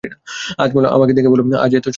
আজমল আমাকে দেখে বলল, আজ এত সকাল-সকল উঠলি যে?